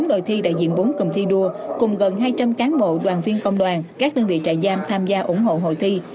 bốn đội thi đại diện bốn cùng thi đua cùng gần hai trăm linh cán bộ đoàn viên công đoàn các đơn vị trại giam tham gia ủng hộ hội thi